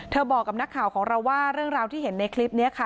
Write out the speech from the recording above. บอกกับนักข่าวของเราว่าเรื่องราวที่เห็นในคลิปนี้ค่ะ